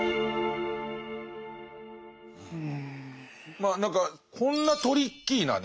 まあ何かこんなトリッキーなね